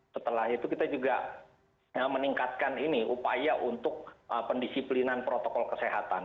setelah itu kita juga meningkatkan ini upaya untuk pendisiplinan protokol kesehatan